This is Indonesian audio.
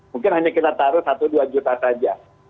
mungkin hanya kita taruh satu dua juta saja